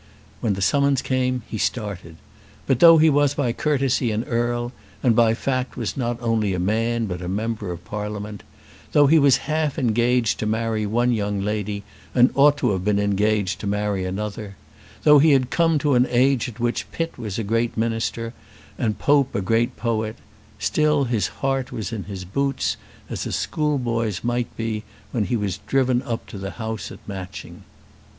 When the summons came he started; but, though he was by courtesy an Earl, and by fact was not only a man but a Member of Parliament, though he was half engaged to marry one young lady and ought to have been engaged to marry another, though he had come to an age at which Pitt was a great minister and Pope a great poet, still his heart was in his boots, as a schoolboy's might be, when he was driven up to the house at Matching.